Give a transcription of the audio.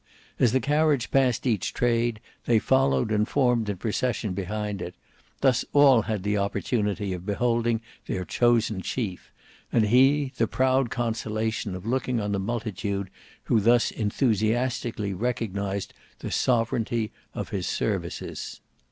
As the carriage passed each Trade, they followed and formed in procession behind it; thus all had the opportunity of beholding their chosen chief, and he the proud consolation of looking on the multitude who thus enthusiastically recognised the sovereignty of his services.